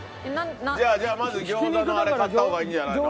じゃあまず餃子のあれ買った方がいいんじゃないの？